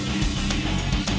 terima kasih chandra